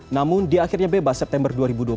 namun dia akhirnya bebas september dua ribu dua puluh satu